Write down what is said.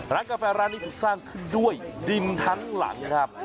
กาแฟร้านนี้ถูกสร้างขึ้นด้วยดินทั้งหลังครับ